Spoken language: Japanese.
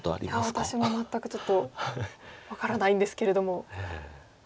いや私も全くちょっと分からないんですけれども。